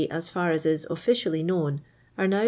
as far as is ollicially known, are now t!